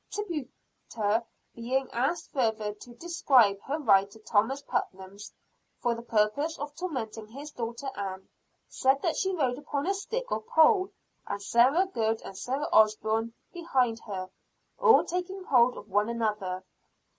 "Tituba being asked further to describe her ride to Thomas Putnam's, for the purpose of tormenting his daughter Ann, said that she rode upon a stick or pole, and Sarah Good and Sarah Osburn behind her, all taking hold of one another.